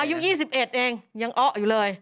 อายุ๒๑เองยังอ้ออยู่เลย